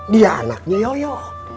dia anaknya yoyo